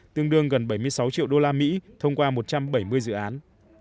tương đương gần bảy mươi sáu triệu đô la mỹ thông qua một trăm bảy mươi dự án